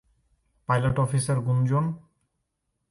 Pilot officer Gunjan?